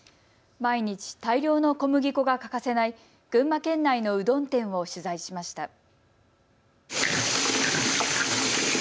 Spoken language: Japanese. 毎日大量の小麦粉が欠かせない群馬県内のうどん店を取材しました。